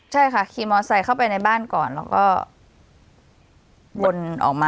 ใช่ค่ะขี่มอไซค์เข้าไปในบ้านก่อนแล้วก็วนออกมา